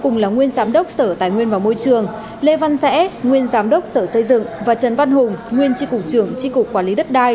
nguyên chi cục trưởng chi cục quản lý đất đai